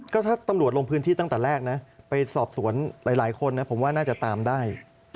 ก็ถ้าตำรวจลงพื้นที่ตั้งแต่แรกนะไปสอบสวนหลายคนนะผมว่าน่าจะตามได้